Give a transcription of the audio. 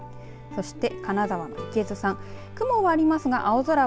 そして金沢の池津さん。